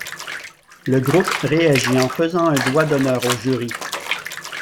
Le groupe réagit en faisant un doigt d'honneur au jury.